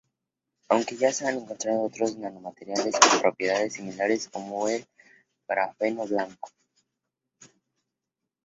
Aunque ya se han encontrado otros nanomateriales con propiedades similares como el grafeno blanco.